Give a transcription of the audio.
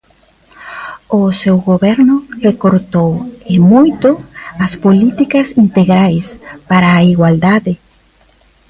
O seu goberno recortou, e moito, as políticas integrais para a igualdade.